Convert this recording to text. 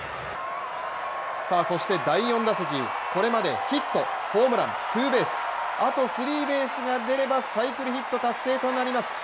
さあ、そして第４打席これまでヒット、ホームラン、ツーベースあとスリーベースが出ればサイクルヒット達成となります。